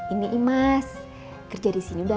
ini imas kerja disini udah